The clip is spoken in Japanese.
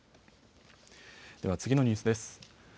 では次のニュースです。